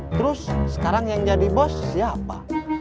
terus sekarang yang jadi bos siapa